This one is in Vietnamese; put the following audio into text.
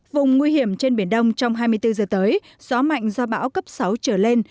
vùng nguy hiểm trên biển đông trong hai mươi bốn giờ tới gió mạnh do bão cấp sáu trở lên